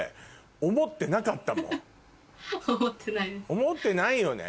思ってないよね？